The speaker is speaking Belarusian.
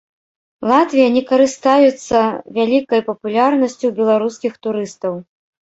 Латвія не карыстаюцца вялікай папулярнасцю ў беларускіх турыстаў.